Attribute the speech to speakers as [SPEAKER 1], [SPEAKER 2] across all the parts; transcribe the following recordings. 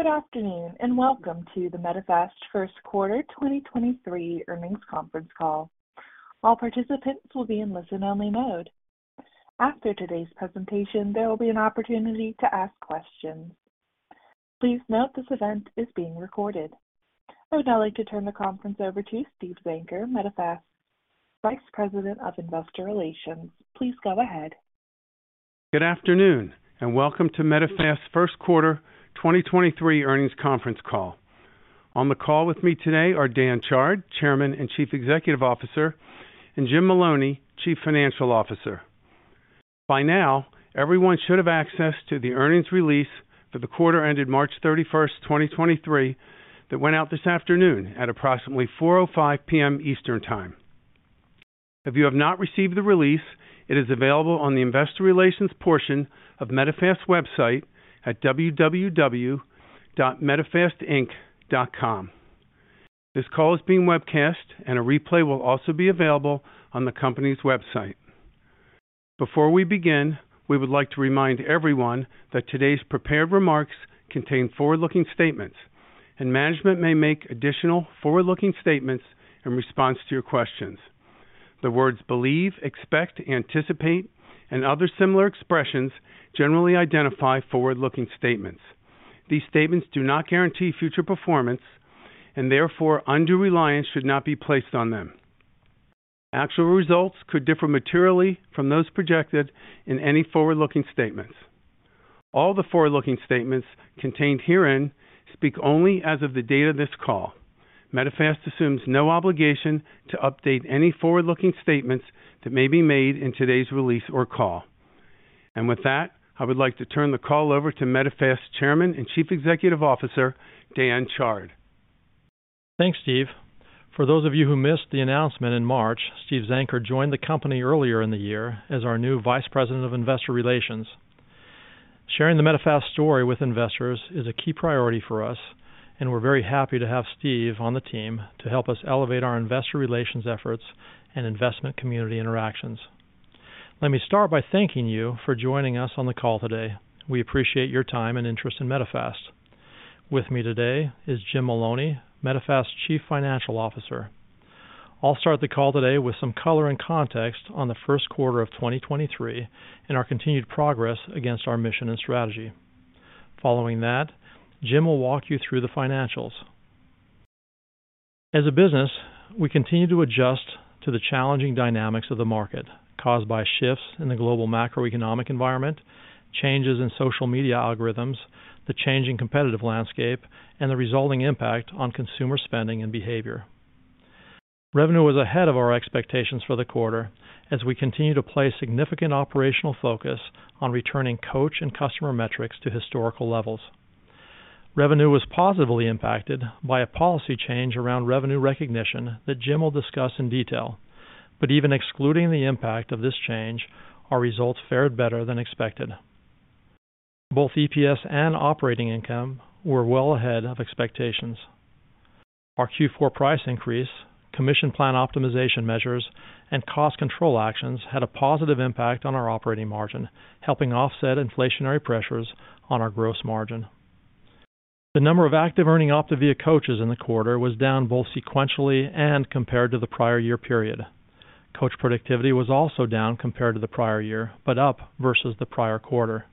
[SPEAKER 1] Good afternoon, and welcome to the Medifast first quarter 2023 earnings conference call. All participants will be in listen-only mode. After today's presentation, there will be an opportunity to ask questions. Please note this event is being recorded. I would now like to turn the conference over to Steve Zenker, Medifast Vice President of Investor Relations. Please go ahead.
[SPEAKER 2] Good afternoon, welcome to Medifast first quarter 2023 earnings conference call. On the call with me today are Dan Chard, Chairman and Chief Executive Officer, and Jim Maloney, Chief Financial Officer. By now, everyone should have access to the earnings release for the quarter ended March 31st, 2023 that went out this afternoon at approximately 4:05 P.M. Eastern Time. If you have not received the release, it is available on the investor relations portion of Medifast website at www.medifastinc.com. This call is being webcast, a replay will also be available on the company's website. Before we begin, we would like to remind everyone that today's prepared remarks contain forward-looking statements, management may make additional forward-looking statements in response to your questions. The words believe, expect, anticipate, and other similar expressions generally identify forward-looking statements. These statements do not guarantee future performance, and therefore, undue reliance should not be placed on them. Actual results could differ materially from those projected in any forward-looking statements. All the forward-looking statements contained herein speak only as of the date of this call. Medifast assumes no obligation to update any forward-looking statements that may be made in today's release or call. With that, I would like to turn the call over to Medifast Chairman and Chief Executive Officer, Dan Chard.
[SPEAKER 3] Thanks, Steve. For those of you who missed the announcement in March, Steve Zenker joined the company earlier in the year as our new Vice President of Investor Relations. Sharing the Medifast story with investors is a key priority for us, and we're very happy to have Steve on the team to help us elevate our investor relations efforts and investment community interactions. Let me start by thanking you for joining us on the call today. We appreciate your time and interest in Medifast. With me today is Jim Maloney, Medifast Chief Financial Officer. I'll start the call today with some color and context on the first quarter of 2023 and our continued progress against our mission and strategy. Following that, Jim will walk you through the financials. As a business, we continue to adjust to the challenging dynamics of the market caused by shifts in the global macroeconomic environment, changes in social media algorithms, the changing competitive landscape, and the resulting impact on consumer spending and behavior. Revenue was ahead of our expectations for the quarter as we continue to place significant operational focus on returning coach and customer metrics to historical levels. Revenue was positively impacted by a policy change around revenue recognition that Jim will discuss in detail. Even excluding the impact of this change, our results fared better than expected. Both EPS and operating income were well ahead of expectations. Our Q4 price increase, commission plan optimization measures, and cost control actions had a positive impact on our operating margin, helping offset inflationary pressures on our gross margin. The number of active earning OPTAVIA coaches in the quarter was down both sequentially and compared to the prior year period. Coach productivity was also down compared to the prior year, but up versus the prior quarter.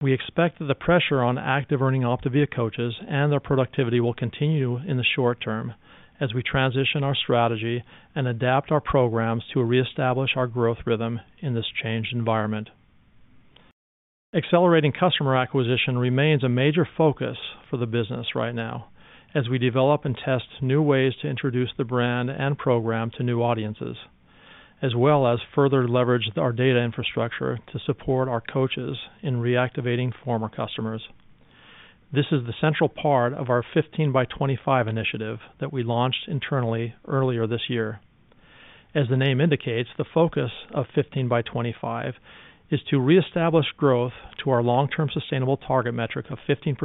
[SPEAKER 3] We expect that the pressure on active earning OPTAVIA coaches and their productivity will continue in the short term as we transition our strategy and adapt our programs to reestablish our growth rhythm in this changed environment. Accelerating customer acquisition remains a major focus for the business right now, as we develop and test new ways to introduce the brand and program to new audiences, as well as further leverage our data infrastructure to support our coaches in reactivating former customers. This is the central part of our Fifteen by Twenty-Five initiative that we launched internally earlier this year. As the name indicates, the focus of Fifteen by Twenty-Five is to reestablish growth to our long-term sustainable target metric of 15%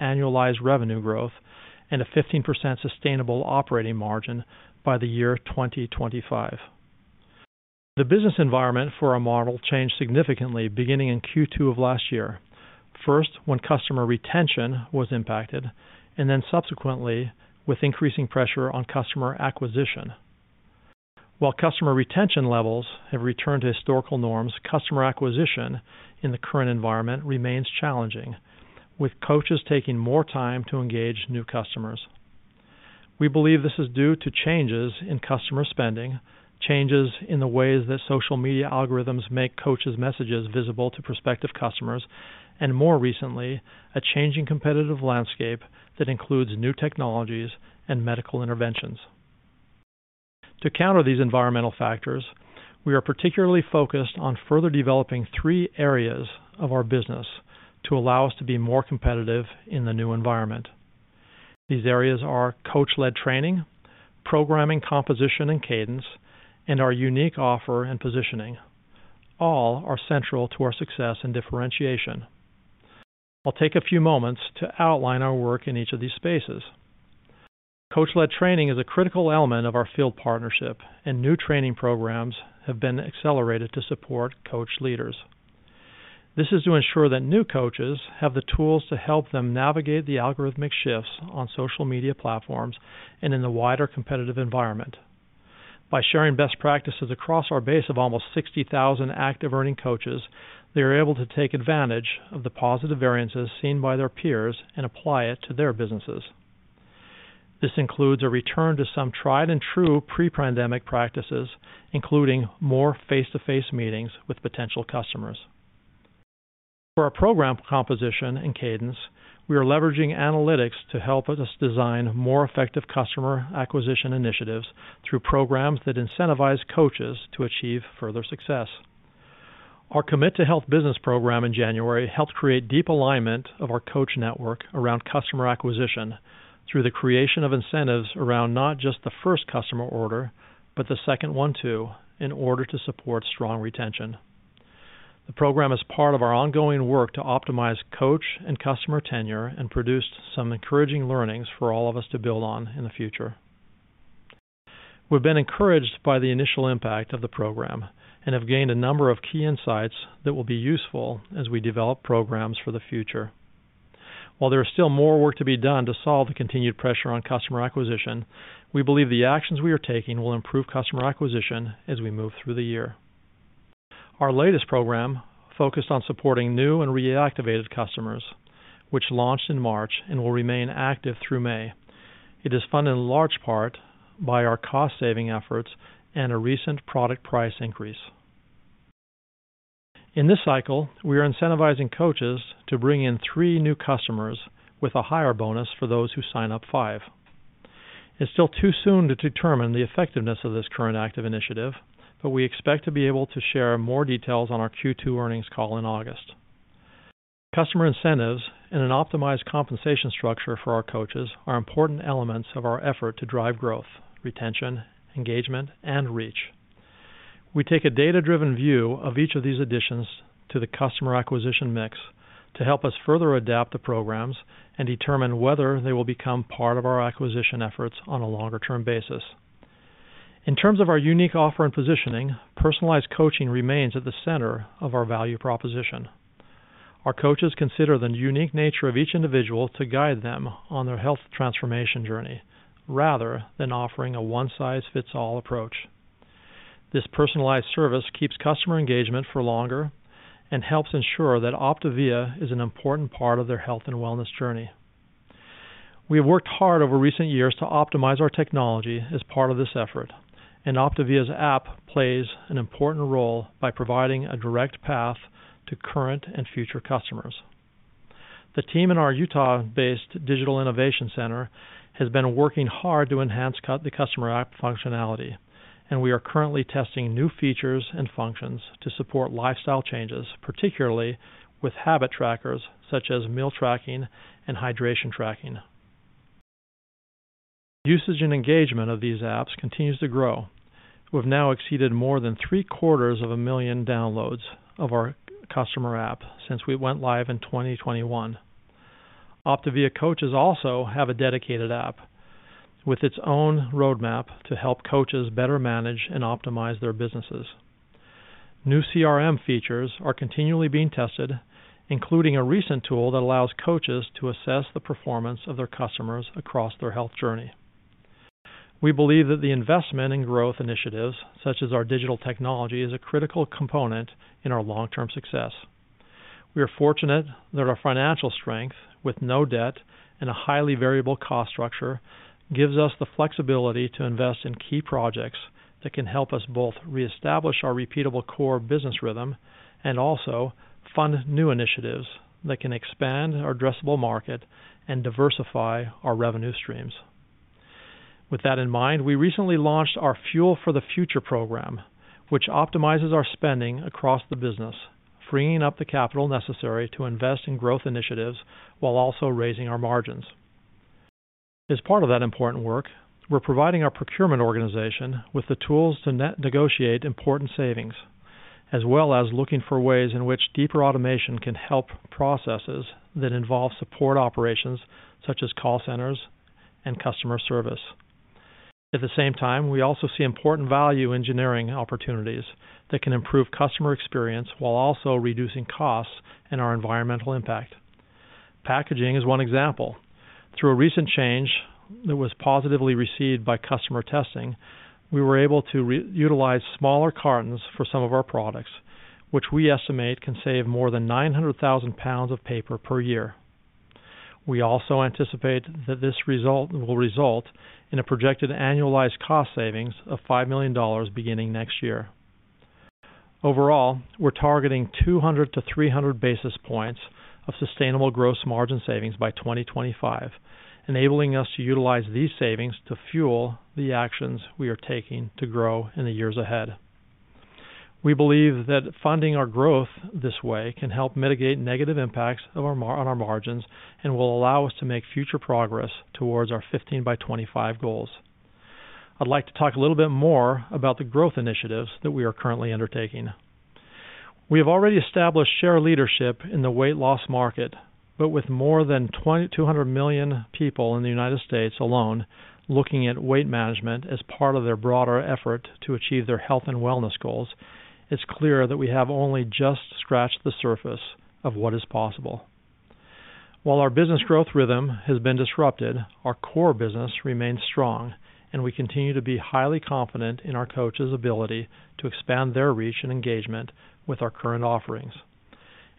[SPEAKER 3] annualized revenue growth and a 15% sustainable operating margin by the year 2025. The business environment for our model changed significantly beginning in Q2 of last year. First, when customer retention was impacted, and then subsequently with increasing pressure on customer acquisition. While customer retention levels have returned to historical norms, customer acquisition in the current environment remains challenging, with coaches taking more time to engage new customers. We believe this is due to changes in customer spending, changes in the ways that social media algorithms make coaches' messages visible to prospective customers, and more recently, a changing competitive landscape that includes new technologies and medical interventions. To counter these environmental factors, we are particularly focused on further developing three areas of our business to allow us to be more competitive in the new environment. These areas are coach-led training, programming composition and cadence, and our unique offer and positioning. All are central to our success and differentiation. I'll take a few moments to outline our work in each of these spaces. Coach-led training is a critical element of our field partnership, and new training programs have been accelerated to support coach leaders. This is to ensure that new coaches have the tools to help them navigate the algorithmic shifts on social media platforms and in the wider competitive environment. By sharing best practices across our base of almost 60,000 active earning coaches, they are able to take advantage of the positive variances seen by their peers and apply it to their businesses. This includes a return to some tried and true pre-pandemic practices, including more face-to-face meetings with potential customers. For our program composition and cadence, we are leveraging analytics to help us design more effective customer acquisition initiatives through programs that incentivize coaches to achieve further success. Our Commit to Health business program in January helped create deep alignment of our coach network around customer acquisition through the creation of incentives around not just the first customer order, but the second one too, in order to support strong retention. The program is part of our ongoing work to optimize coach and customer tenure and produced some encouraging learnings for all of us to build on in the future. We've been encouraged by the initial impact of the program and have gained a number of key insights that will be useful as we develop programs for the future. While there is still more work to be done to solve the continued pressure on customer acquisition, we believe the actions we are taking will improve customer acquisition as we move through the year. Our latest program focused on supporting new and reactivated customers, which launched in March and will remain active through May. It is funded in large part by our cost-saving efforts and a recent product price increase. In this cycle, we are incentivizing coaches to bring in three new customers with a higher bonus for those who sign up five. It's still too soon to determine the effectiveness of this current active initiative, but we expect to be able to share more details on our Q2 earnings call in August. Customer incentives and an optimized compensation structure for our coaches are important elements of our effort to drive growth, retention, engagement, and reach. We take a data-driven view of each of these additions to the customer acquisition mix to help us further adapt the programs and determine whether they will become part of our acquisition efforts on a longer-term basis. In terms of our unique offer and positioning, personalized coaching remains at the center of our value proposition. Our coaches consider the unique nature of each individual to guide them on their health transformation journey rather than offering a one-size-fits-all approach. This personalized service keeps customer engagement for longer and helps ensure that OPTAVIA is an important part of their health and wellness journey. We have worked hard over recent years to optimize our technology as part of this effort, and OPTAVIA's app plays an important role by providing a direct path to current and future customers. The team in our Utah-based Digital Innovation Center has been working hard to enhance the customer app functionality, and we are currently testing new features and functions to support lifestyle changes, particularly with habit trackers such as meal tracking and hydration tracking. Usage and engagement of these apps continues to grow. We've now exceeded more than three-quarters of a million downloads of our customer app since we went live in 2021. OPTAVIA coaches also have a dedicated app with its own roadmap to help coaches better manage and optimize their businesses. New CRM features are continually being tested, including a recent tool that allows coaches to assess the performance of their customers across their health journey. We believe that the investment in growth initiatives, such as our digital technology, is a critical component in our long-term success. We are fortunate that our financial strength, with no debt and a highly variable cost structure, gives us the flexibility to invest in key projects that can help us both reestablish our repeatable core business rhythm and also fund new initiatives that can expand our addressable market and diversify our revenue streams. With that in mind, we recently launched our Fuel for the Future program, which optimizes our spending across the business, freeing up the capital necessary to invest in growth initiatives while also raising our margins. As part of that important work, we're providing our procurement organization with the tools to net-negotiate important savings, as well as looking for ways in which deeper automation can help processes that involve support operations such as call centers and customer service. At the same time, we also see important value engineering opportunities that can improve customer experience while also reducing costs and our environmental impact. Packaging is one example. Through a recent change that was positively received by customer testing, we were able to re-utilize smaller cartons for some of our products, which we estimate can save more than 900,000 pounds of paper per year. We also anticipate that this result will result in a projected annualized cost savings of $5 million beginning next year. Overall, we're targeting 200-300 basis points of sustainable gross margin savings by 2025, enabling us to utilize these savings to fuel the actions we are taking to grow in the years ahead. We believe that funding our growth this way can help mitigate negative impacts on our margins and will allow us to make future progress towards our Fifteen by Twenty-Five goals. I'd like to talk a little bit more about the growth initiatives that we are currently undertaking. We have already established share leadership in the weight loss market, but with more than 200 million people in the United States alone looking at weight management as part of their broader effort to achieve their health and wellness goals, it's clear that we have only just scratched the surface of what is possible. While our business growth rhythm has been disrupted, our core business remains strong, we continue to be highly confident in our coaches' ability to expand their reach and engagement with our current offerings.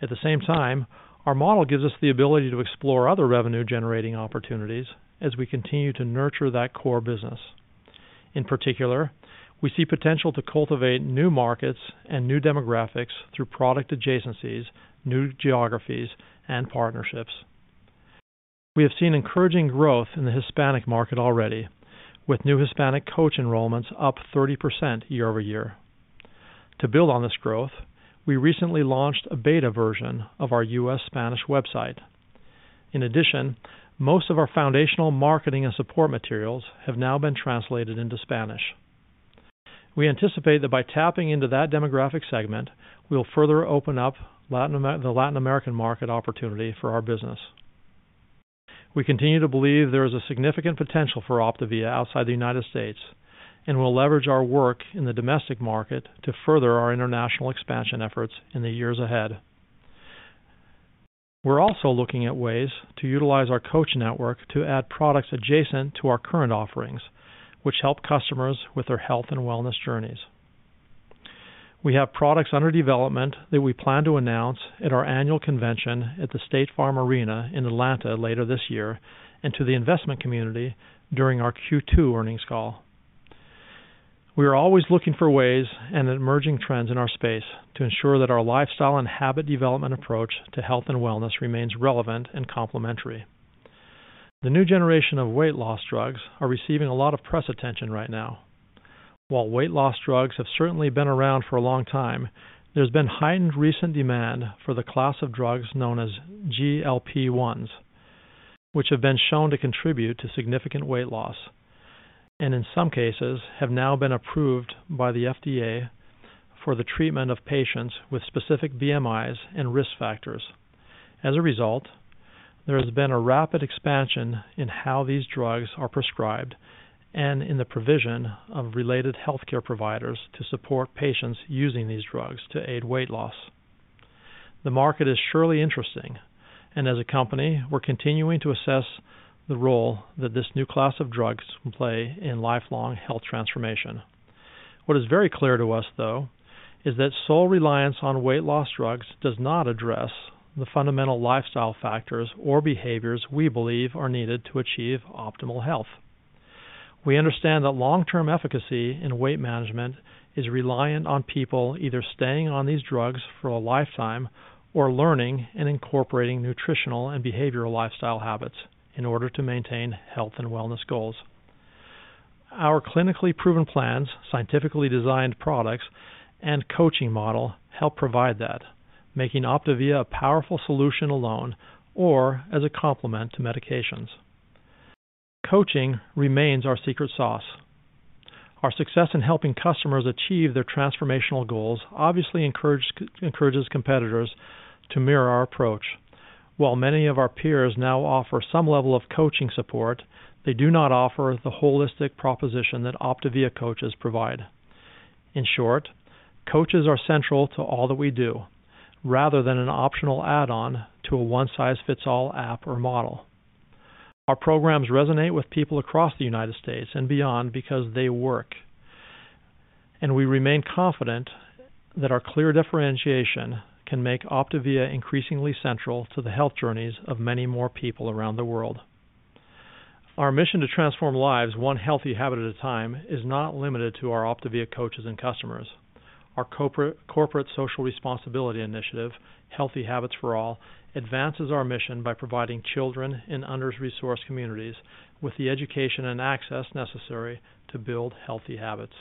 [SPEAKER 3] At the same time, our model gives us the ability to explore other revenue-generating opportunities as we continue to nurture that core business. In particular, we see potential to cultivate new markets and new demographics through product adjacencies, new geographies, and partnerships. We have seen encouraging growth in the Hispanic market already, with new Hispanic coach enrollments up 30% year-over-year. To build on this growth, we recently launched a beta version of our U.S. Spanish website. In addition, most of our foundational marketing and support materials have now been translated into Spanish. We anticipate that by tapping into that demographic segment, we'll further open up the Latin American market opportunity for our business. We continue to believe there is a significant potential for OPTAVIA outside the United States, and we'll leverage our work in the domestic market to further our international expansion efforts in the years ahead. We're also looking at ways to utilize our coach network to add products adjacent to our current offerings, which help customers with their health and wellness journeys. We have products under development that we plan to announce at our annual convention at the State Farm Arena in Atlanta later this year and to the investment community during our Q2 earnings call. We are always looking for ways and emerging trends in our space to ensure that our lifestyle and habit development approach to health and wellness remains relevant and complementary. The new generation of weight loss drugs are receiving a lot of press attention right now. While weight loss drugs have certainly been around for a long time, there's been heightened recent demand for the class of drugs known as GLP-1s, which have been shown to contribute to significant weight loss, and in some cases, have now been approved by the FDA for the treatment of patients with specific BMIs and risk factors. As a result, there has been a rapid expansion in how these drugs are prescribed and in the provision of related healthcare providers to support patients using these drugs to aid weight loss. The market is surely interesting, and as a company, we're continuing to assess the role that this new class of drugs can play in lifelong health transformation. What is very clear to us, though, is that sole reliance on weight loss drugs does not address the fundamental lifestyle factors or behaviors we believe are needed to achieve optimal health. We understand that long-term efficacy in weight management is reliant on people either staying on these drugs for a lifetime or learning and incorporating nutritional and behavioral lifestyle habits in order to maintain health and wellness goals. Our clinically proven plans, scientifically designed products, and coaching model help provide that, making OPTAVIA a powerful solution alone or as a complement to medications. Coaching remains our secret sauce. Our success in helping customers achieve their transformational goals obviously encourages competitors to mirror our approach. While many of our peers now offer some level of coaching support, they do not offer the holistic proposition that OPTAVIA coaches provide. In short, coaches are central to all that we do rather than an optional add-on to a one-size-fits-all app or model. Our programs resonate with people across the United States and beyond because they work. We remain confident that our clear differentiation can make OPTAVIA increasingly central to the health journeys of many more people around the world. Our mission to transform lives one healthy habit at a time is not limited to our OPTAVIA coaches and customers. Our corporate social responsibility initiative, Healthy Habits For All, advances our mission by providing children in under-resourced communities with the education and access necessary to build healthy habits.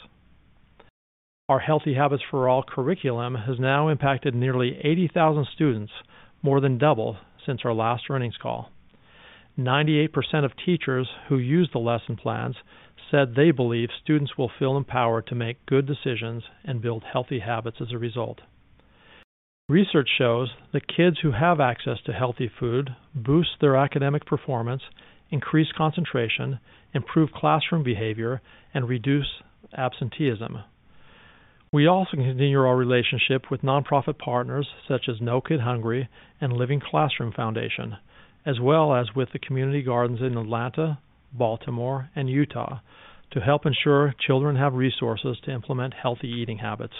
[SPEAKER 3] Our Healthy Habits For All curriculum has now impacted nearly 80,000 students, more than double since our last earnings call. 98% of teachers who use the lesson plans said they believe students will feel empowered to make good decisions and build healthy habits as a result. Research shows that kids who have access to healthy food boost their academic performance, increase concentration, improve classroom behavior, and reduce absenteeism. We also continue our relationship with nonprofit partners such as No Kid Hungry and Living Classrooms Foundation, as well as with the community gardens in Atlanta, Baltimore, and Utah, to help ensure children have resources to implement healthy eating habits.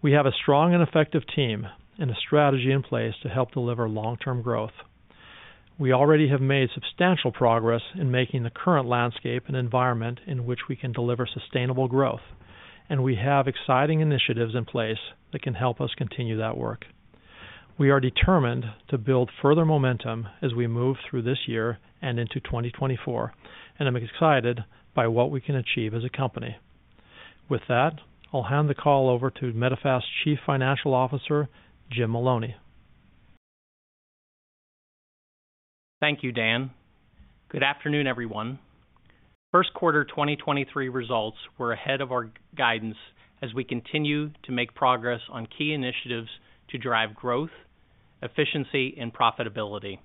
[SPEAKER 3] We have a strong and effective team and a strategy in place to help deliver long-term growth. We already have made substantial progress in making the current landscape an environment in which we can deliver sustainable growth, and we have exciting initiatives in place that can help us continue that work. We are determined to build further momentum as we move through this year and into 2024, and I'm excited by what we can achieve as a company. With that, I'll hand the call over to Medifast's Chief Financial Officer, Jim Maloney.
[SPEAKER 4] Thank you, Dan. Good afternoon, everyone. First quarter 2023 results were ahead of our guidance as we continue to make progress on key initiatives to drive growth, efficiency and profitability.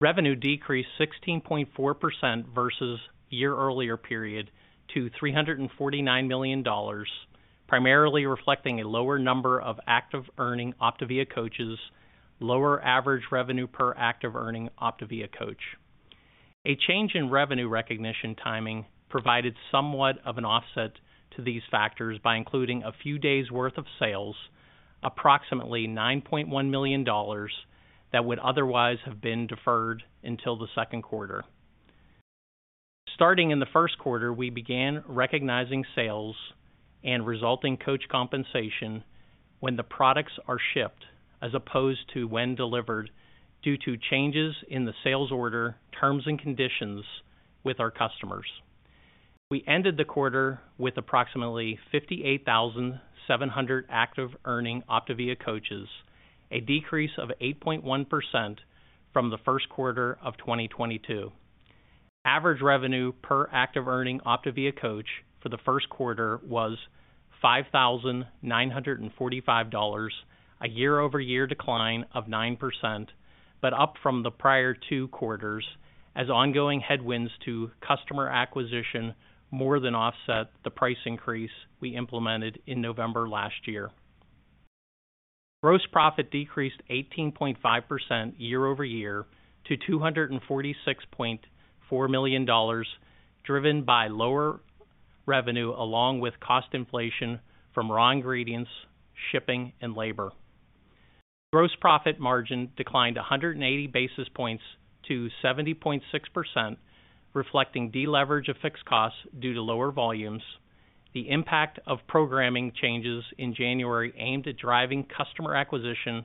[SPEAKER 4] Revenue decreased 16.4% versus year-earlier period to $349 million, primarily reflecting a lower number of active earning OPTAVIA coaches, lower average revenue per active earning OPTAVIA coach. A change in revenue recognition timing provided somewhat of an offset to these factors by including a few days' worth of sales, approximately $9.1 million, that would otherwise have been deferred until the second quarter. Starting in the first quarter, we began recognizing sales and resulting coach compensation when the products are shipped as opposed to when delivered due to changes in the sales order terms and conditions with our customers. We ended the quarter with approximately 58,700 active earning OPTAVIA coaches, a decrease of 8.1% from the first quarter of 2022. Average revenue per active earning OPTAVIA coach for the first quarter was $5,945, a year-over-year decline of 9%, up from the prior two quarters as ongoing headwinds to customer acquisition more than offset the price increase we implemented in November last year. Gross profit decreased 18.5% year-over-year to $246.4 million, driven by lower revenue along with cost inflation from raw ingredients, shipping and labor. Gross profit margin declined 180 basis points to 70.6%, reflecting deleverage of fixed costs due to lower volumes, the impact of programming changes in January aimed at driving customer acquisition,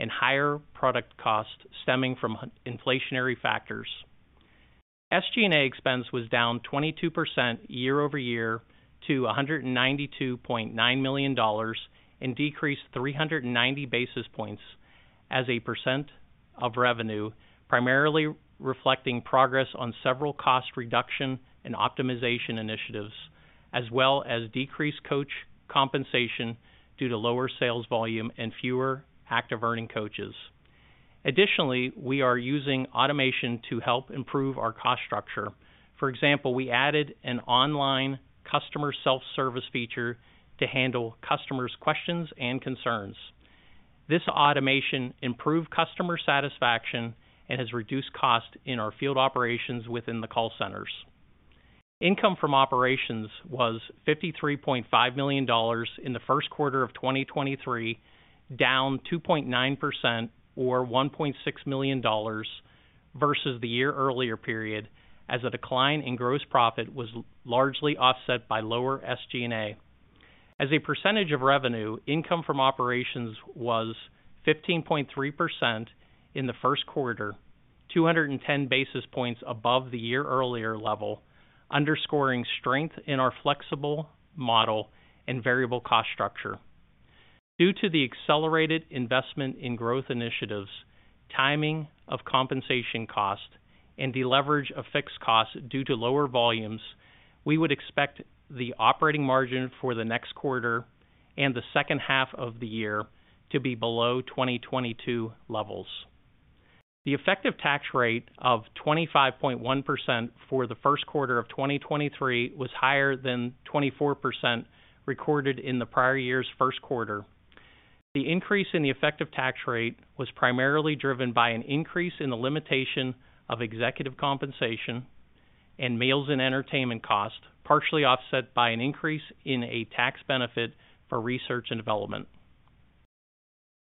[SPEAKER 4] and higher product cost stemming from inflationary factors. SG&A expense was down 22% year-over-year to $192.9 million and decreased 390 basis points as a percent of revenue, primarily reflecting progress on several cost reduction and optimization initiatives, as well as decreased coach compensation due to lower sales volume and fewer active earning coaches. Additionally, we are using automation to help improve our cost structure. For example, we added an online customer self-service feature to handle customers' questions and concerns. This automation improved customer satisfaction and has reduced cost in our field operations within the call centers. Income from operations was $53.5 million in the first quarter of 2023, down 2.9% or $1.6 million versus the year earlier period as a decline in gross profit was largely offset by lower SG&A. As a percentage of revenue, income from operations was 15.3% in the first quarter, 210 basis points above the year earlier level, underscoring strength in our flexible model and variable cost structure. Due to the accelerated investment in growth initiatives, timing of compensation cost, and deleverage of fixed costs due to lower volumes, we would expect the operating margin for the next quarter and the second half of the year to be below 2022 levels. The effective tax rate of 25.1% for the first quarter of 2023 was higher than 24% recorded in the prior year's first quarter. The increase in the effective tax rate was primarily driven by an increase in the limitation of executive compensation and meals and entertainment cost, partially offset by an increase in a tax benefit for research and development.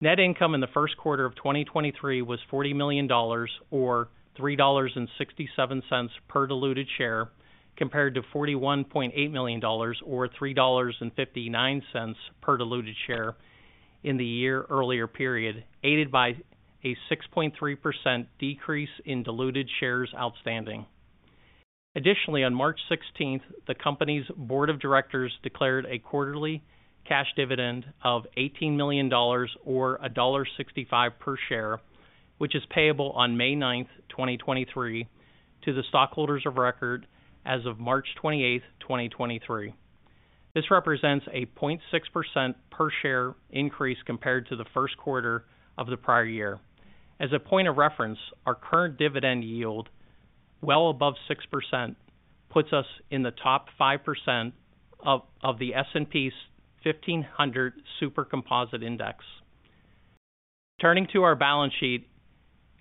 [SPEAKER 4] Net income in the first quarter of 2023 was $40 million or $3.67 per diluted share, compared to $41.8 million or $3.59 per diluted share in the year earlier period, aided by a 6.3% decrease in diluted shares outstanding. On March 16th, the company's board of directors declared a quarterly cash dividend of $18 million or $1.65 per share, which is payable on May 9th, 2023, to the stockholders of record as of March 28th, 2023. This represents a 0.6% per share increase compared to the first quarter of the prior year. As a point of reference, our current dividend yield, well above 6%, puts us in the top 5% of the S&P's 1500 SuperComposite Index. Turning to our balance sheet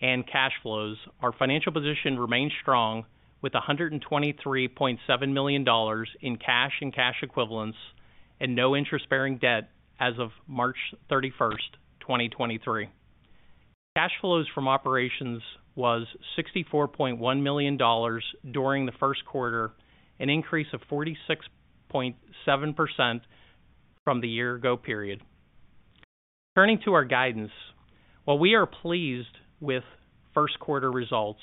[SPEAKER 4] and cash flows, our financial position remains strong with $123.7 million in cash and cash equivalents and no interest-bearing debt as of March 31st, 2023. Cash flows from operations was $64.1 million during the first quarter, an increase of 46.7% from the year ago period. Turning to our guidance, while we are pleased with first quarter results,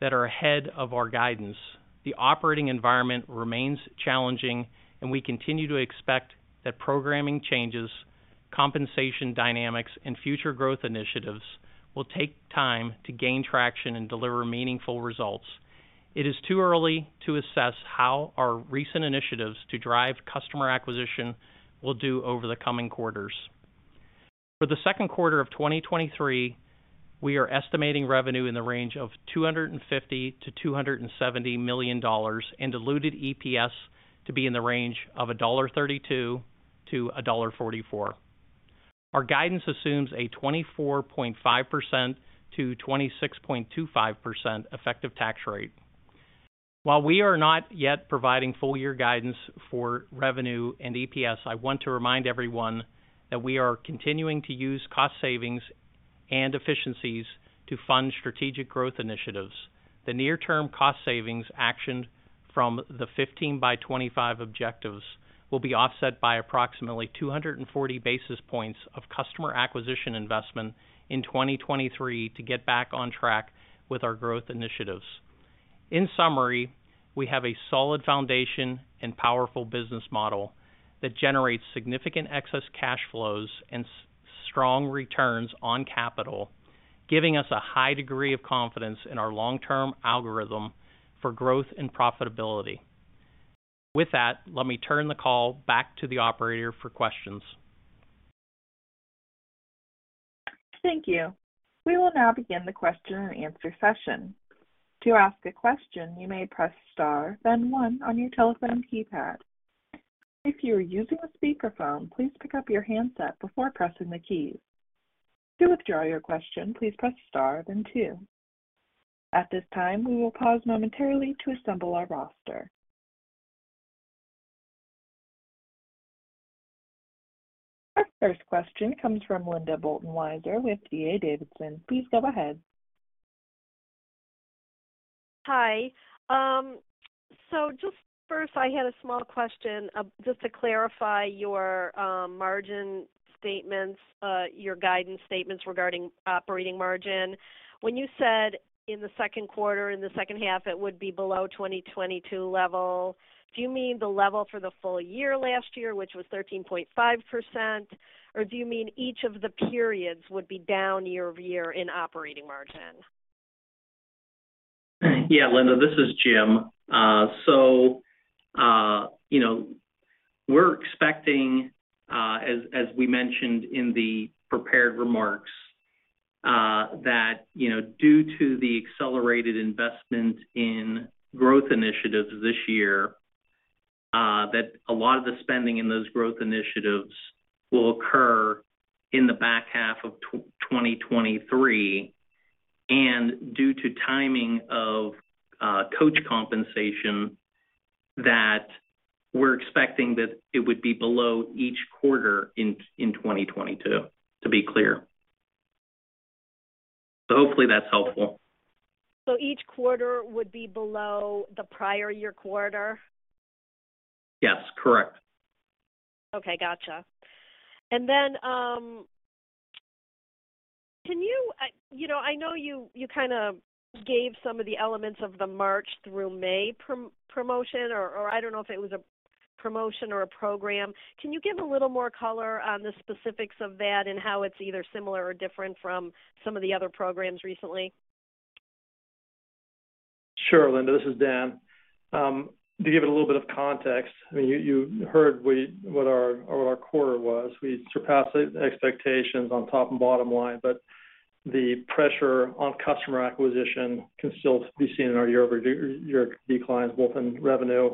[SPEAKER 4] that are ahead of our guidance. The operating environment remains challenging, and we continue to expect that programming changes, compensation dynamics, and future growth initiatives will take time to gain traction and deliver meaningful results. It is too early to assess how our recent initiatives to drive customer acquisition will do over the coming quarters. For the second quarter of 2023, we are estimating revenue in the range of $250 million-$270 million and diluted EPS to be in the range of $1.32-$1.44. Our guidance assumes a 24.5%-26.25% effective tax rate. While we are not yet providing full year guidance for revenue and EPS, I want to remind everyone that we are continuing to use cost savings and efficiencies to fund strategic growth initiatives. The near term cost savings action from the Fifteen by Twenty-Five objectives will be offset by approximately 240 basis points of customer acquisition investment in 2023 to get back on track with our growth initiatives. In summary, we have a solid foundation and powerful business model that generates significant excess cash flows and strong returns on capital, giving us a high degree of confidence in our long-term algorithm for growth and profitability. With that, let me turn the call back to the operator for questions.
[SPEAKER 1] Thank you. We will now begin the question and answer session. To ask a question, you may press star, then one on your telephone keypad. If you are using a speakerphone, please pick up your handset before pressing the keys. To withdraw your question, please press Star then two. At this time, we will pause momentarily to assemble our roster. Our first question comes from Linda Bolton-Weiser with D.A. Davidson. Please go ahead.
[SPEAKER 5] Hi. Just first, I had a small question just to clarify your margin statements, your guidance statements regarding operating margin. When you said in the second quarter, in the second half, it would be below 2022 level, do you mean the level for the full year last year, which was 13.5%? Or do you mean each of the periods would be down year-over-year in operating margin?
[SPEAKER 4] Yeah, Linda, this is Jim. You know, we're expecting, as we mentioned in the prepared remarks, that, you know, due to the accelerated investment in growth initiatives this year, that a lot of the spending in those growth initiatives will occur in the back half of 2023. Due to timing of coach compensation that we're expecting that it would be below each quarter in 2022, to be clear. Hopefully that's helpful.
[SPEAKER 5] Each quarter would be below the prior year quarter?
[SPEAKER 4] Yes, correct.
[SPEAKER 5] Okay, gotcha. You know, I know you kinda gave some of the elements of the March through May promotion, or I don't know if it was a promotion or a program. Can you give a little more color on the specifics of that and how it's either similar or different from some of the other programs recently?
[SPEAKER 3] Sure, Linda. This is Dan. I mean, you heard what our quarter was. We surpassed expectations on top and bottom line, but the pressure on customer acquisition can still be seen in our year-over-year declines, both in revenue,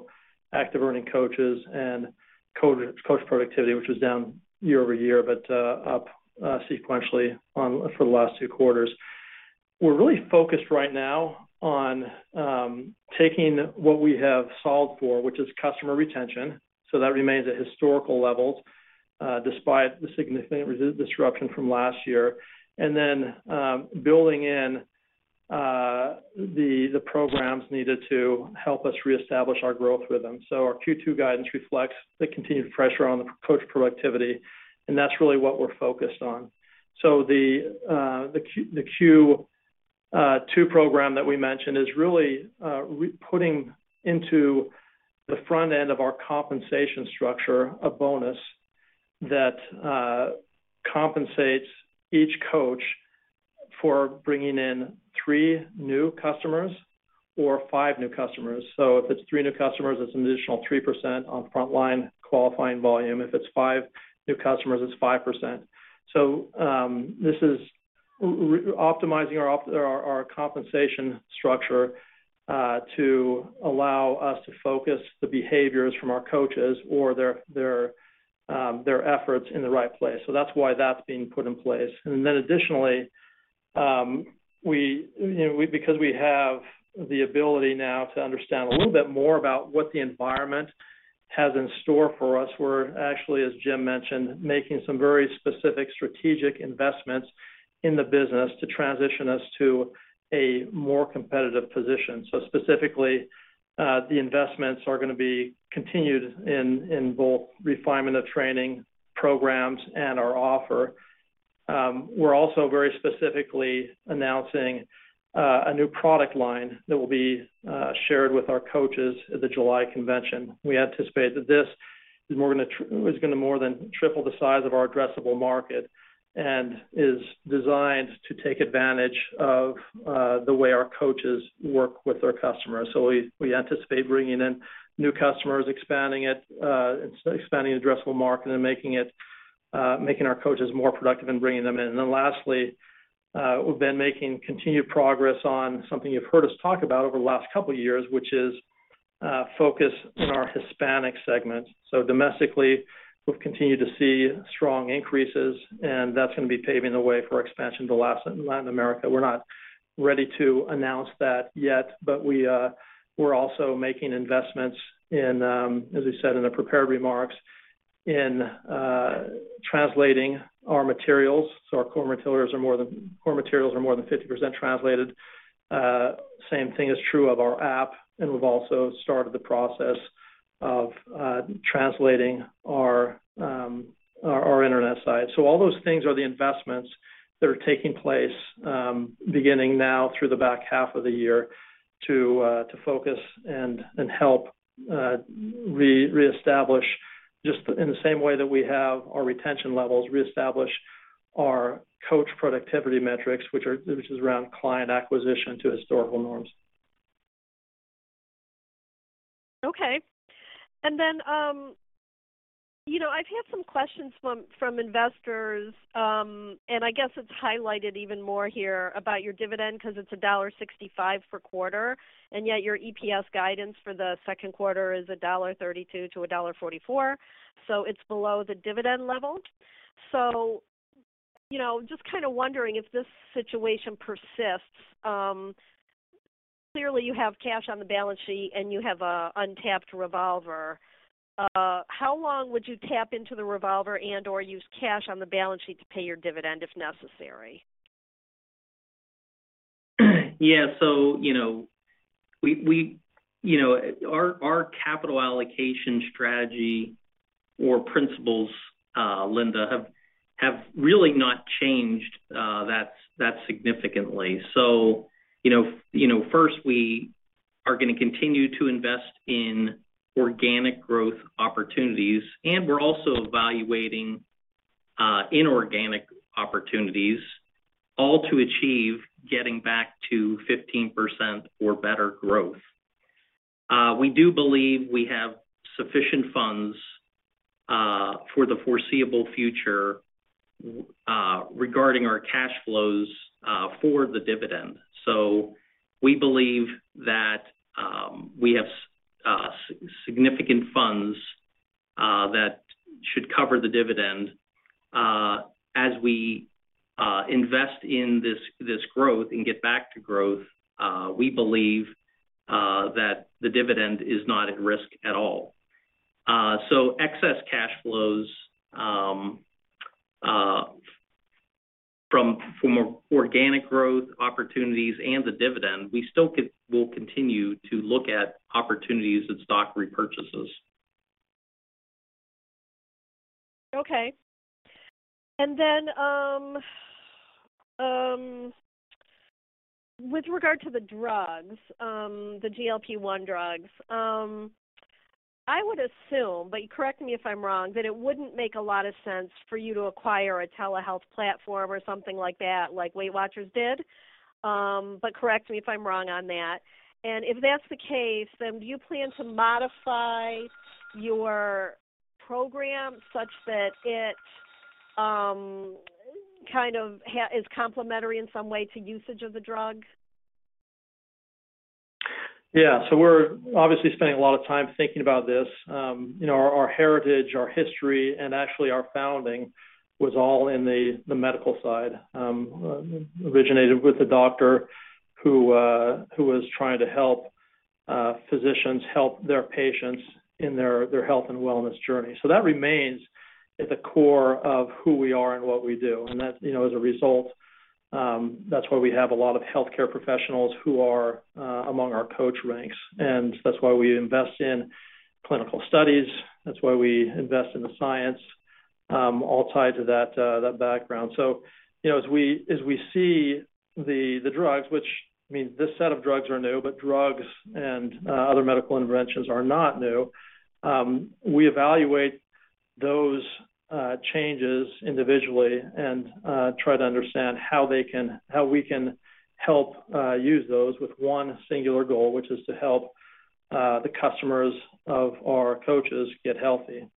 [SPEAKER 3] active earning coaches, and coach productivity, which was down year-over-year, but up sequentially for the last two quarters. We're really focused right now on taking what we have solved for, which is customer retention, so that remains at historical levels, despite the significant disruption from last year, and then building in the programs needed to help us reestablish our growth rhythm. Our Q2 guidance reflects the continued pressure on the coach productivity, and that's really what we're focused on. The Q2 program that we mentioned is really putting into the front end of our compensation structure, a bonus that compensates each coach for bringing in three new customers or five new customers. If it's three new customers, it's an additional 3% on frontline qualifying volume. If it's five new customers, it's 5%. This is optimizing our compensation structure to allow us to focus the behaviors from our coaches or their efforts in the right place. That's why that's being put in place. Additionally, we, you know, because we have the ability now to understand a little bit more about what the environment has in store for us, we're actually, as Jim mentioned, making some very specific strategic investments in the business to transition us to a more competitive position. Specifically, the investments are gonna be continued in both refinement of training programs and our offer. We're also very specifically announcing a new product line that will be shared with our coaches at the July convention. We anticipate that this is gonna more than triple the size of our addressable market and is designed to take advantage of the way our coaches work with their customers. We anticipate bringing in new customers, expanding it, expanding the addressable market and making it, making our coaches more productive in bringing them in. Lastly, we've been making continued progress on something you've heard us talk about over the last couple of years, which is focus in our Hispanic segment. Domestically, we've continued to see strong increases, and that's gonna be paving the way for expansion to Latin America. We're not ready to announce that yet, but we're also making investments in, as we said in the prepared remarks, in translating our materials. Our core materials are more than 50% translated. Same thing is true of our app, and we've also started the process of translating our Internet site. All those things are the investments that are taking place, beginning now through the back half of the year to focus and help reestablish, just in the same way that we have our retention levels, reestablish our coach productivity metrics, which is around client acquisition to historical norms.
[SPEAKER 5] Okay. You know, I've had some questions from investors, and I guess it's highlighted even more here about your dividend because it's $1.65 per quarter, and yet your EPS guidance for the second quarter is $1.32-$1.44. It's below the dividend level. You know, just kinda wondering if this situation persists, clearly, you have cash on the balance sheet, and you have a untapped revolver. How long would you tap into the revolver and/or use cash on the balance sheet to pay your dividend if necessary?
[SPEAKER 4] Yeah. You know, we, you know, our capital allocation strategy or principles, Linda, have really not changed that significantly. You know, first, we are gonna continue to invest in organic growth opportunities, and we're also evaluating inorganic opportunities all to achieve getting back to 15% or better growth. We do believe we have sufficient funds for the foreseeable future regarding our cash flows for the dividend. We believe that we have significant funds that should cover the dividend. As we invest in this growth and get back to growth, we believe that the dividend is not at risk at all. Excess cash flows, from organic growth opportunities and the dividend, we still will continue to look at opportunities of stock repurchases.
[SPEAKER 5] Okay. Then, with regard to the drugs, the GLP-1 drugs, I would assume, but correct me if I'm wrong, that it wouldn't make a lot of sense for you to acquire a telehealth platform or something like that, like WeightWatchers did. Correct me if I'm wrong on that. If that's the case, then do you plan to modify your program such that it, kind of is complementary in some way to usage of the drug?
[SPEAKER 3] Yeah. We're obviously spending a lot of time thinking about this. You know, our heritage, our history, and actually our founding was all in the medical side, originated with a doctor who was trying to help physicians help their patients in their health and wellness journey. That remains at the core of who we are and what we do. That, you know, as a result, that's why we have a lot of healthcare professionals who are among our coach ranks. That's why we invest in clinical studies. That's why we invest in the science, all tied to that background. You know, as we see the drugs, which means this set of drugs are new, but drugs and other medical interventions are not new, we evaluate those changes individually and try to understand how we can help use those with one singular goal, which is to help the customers of our coaches get healthy.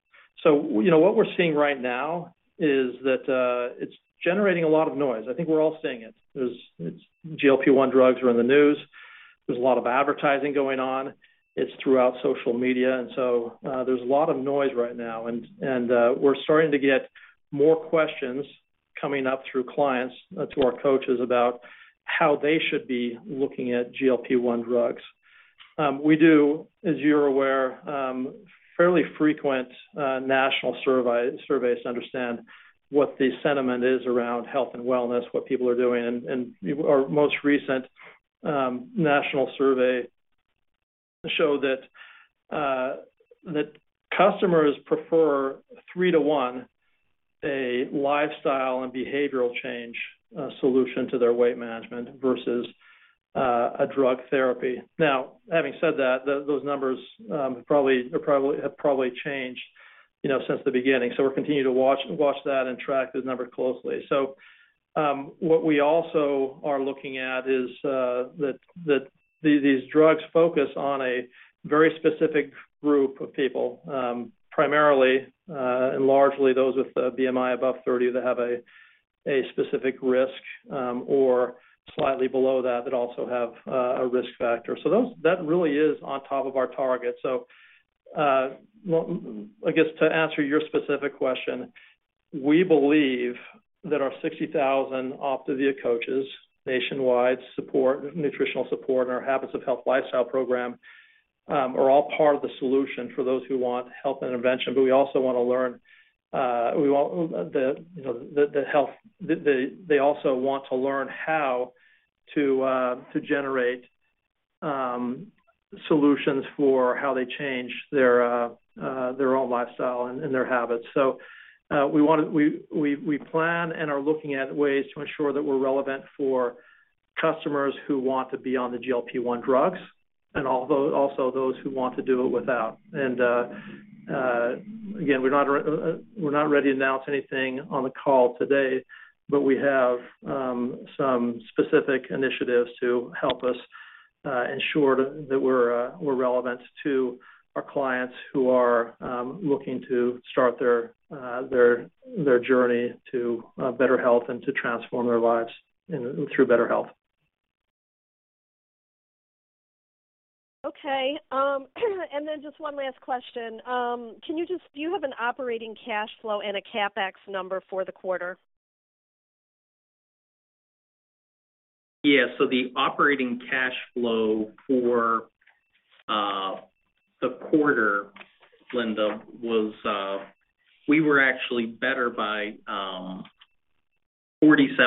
[SPEAKER 3] You know, what we're seeing right now is that it's generating a lot of noise. I think we're all seeing it. GLP-1 drugs are in the news. There's a lot of advertising going on. It's throughout social media. There's a lot of noise right now. We're starting to get more questions coming up through clients to our coaches about how they should be looking at GLP-1 drugs. We do, as you're aware, fairly frequent national surveys to understand what the sentiment is around health and wellness, what people are doing. Our most recent national survey show that customers prefer 3:1 a lifestyle and behavioral change solution to their weight management versus a drug therapy. Now, having said that, those numbers have probably changed, you know, since the beginning. We're continuing to watch that and track those numbers closely. What we also are looking at is that these drugs focus on a very specific group of people, primarily, and largely those with a BMI above 30 that have a specific risk, or slightly below that also have a risk factor. That really is on top of our target. Well, I guess to answer your specific question, we believe that our 60,000 OPTAVIA coaches nationwide nutritional support and our Habits of Health lifestyle program are all part of the solution for those who want health intervention. We also want to learn, you know, they also want to learn how to generate solutions for how they change their own lifestyle and their habits. We plan and are looking at ways to ensure that we're relevant for customers who want to be on the GLP-1 drugs and also those who want to do it without. again, we're not ready to announce anything on the call today, but we have some specific initiatives to help us ensure that we're relevant to our clients who are looking to start their journey to better health and to transform their lives, you know, through better health.
[SPEAKER 5] Okay. Just one last question. Do you have an operating cash flow and a CapEx number for the quarter?
[SPEAKER 3] Yeah. The operating cash flow for the quarter, Linda, was we were actually better by 47%.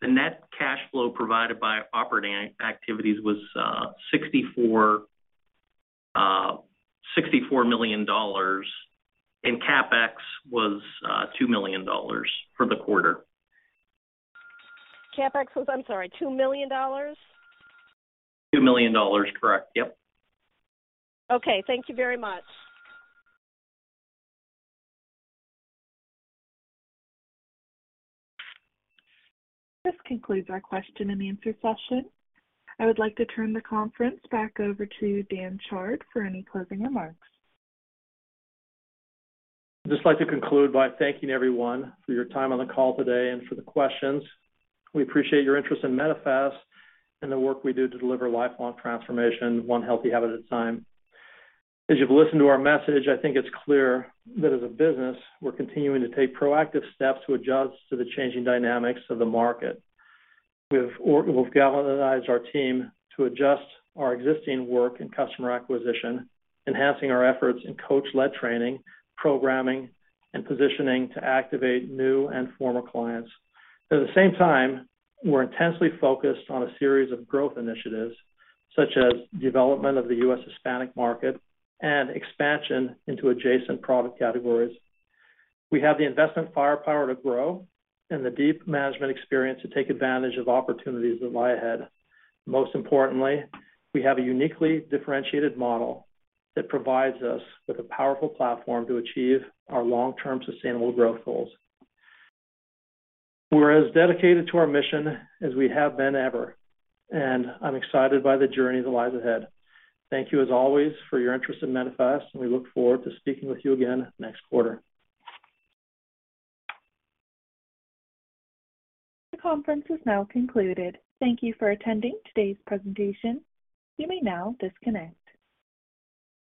[SPEAKER 3] The net cash flow provided by operating activities was $64 million, and CapEx was $2 million for the quarter.
[SPEAKER 5] CapEx was, I'm sorry, $2 million?
[SPEAKER 3] $2 million, correct. Yep.
[SPEAKER 5] Okay. Thank you very much.
[SPEAKER 1] This concludes our question and answer session. I would like to turn the conference back over to Dan Chard for any closing remarks.
[SPEAKER 3] Like to conclude by thanking everyone for your time on the call today and for the questions. We appreciate your interest in Medifast and the work we do to deliver lifelong transformation, one healthy habit at a time. As you've listened to our message, I think it's clear that as a business, we're continuing to take proactive steps to adjust to the changing dynamics of the market. We've galvanized our team to adjust our existing work in customer acquisition, enhancing our efforts in coach-led training, programming, and positioning to activate new and former clients. At the same time, we're intensely focused on a series of growth initiatives, such as development of the U.S. Hispanic market and expansion into adjacent product categories. We have the investment firepower to grow and the deep management experience to take advantage of opportunities that lie ahead. Most importantly, we have a uniquely differentiated model that provides us with a powerful platform to achieve our long-term sustainable growth goals. We're as dedicated to our mission as we have been ever, and I'm excited by the journey that lies ahead. Thank you as always for your interest in Medifast, and we look forward to speaking with you again next quarter.
[SPEAKER 1] The conference is now concluded. Thank you for attending today's presentation. You may now disconnect.